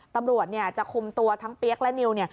ตำรวจจะคุมตัวทั้งเปี๊ยกและนิว